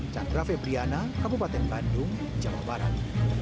chandra febriana kabupaten bandung jawa barat